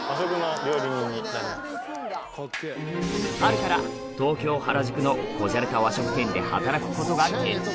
春から東京・原宿の小じゃれた和食店で働くことが決定